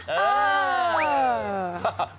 เออ